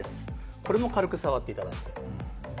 これも軽く触っていただいて。